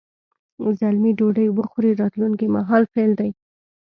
زلمی ډوډۍ وخوري راتلونکي مهال فعل دی.